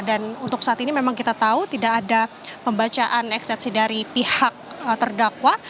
dan untuk saat ini memang kita tahu tidak ada pembacaan eksepsi dari pihak terdakwa